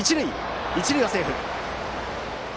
一塁はセーフ。